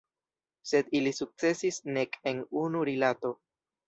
Sed ili sukcesis nek en unu rilato.